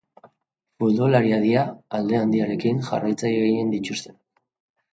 Futbolariak dira, alde handiarekin, jarraitzaile gehien dituztenak.